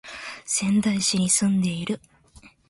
仙台市に住んでいる